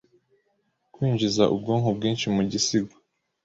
kwinjiza ubwoko bwinshi mu gisigo